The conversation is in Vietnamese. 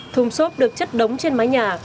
thùng xốp được chất đóng trên mái nhà